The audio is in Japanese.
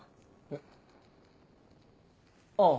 えっあぁ。